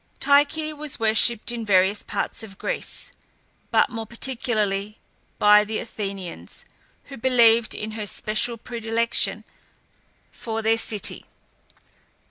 Tyche was worshipped in various parts of Greece, but more particularly by the Athenians, who believed in her special predilection for their city.